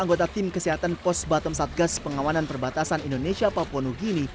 anggota tim kesehatan pos batam satgas pengawanan perbatasan indonesia papua nugini